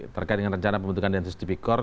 terkait dengan perbentukan densus tipikor